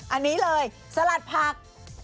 อันนี้เลยสลัดผัก